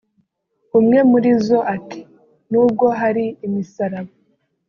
umwe muri zo ati “Nubwo hari imisaraba